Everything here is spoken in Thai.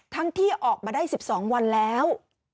ที่ออกมาได้๑๒วันแล้ว